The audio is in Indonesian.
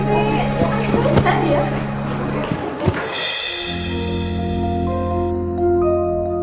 nawas tari ini sih god